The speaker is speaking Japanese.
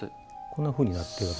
こんなふうになってる。